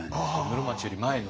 室町より前の。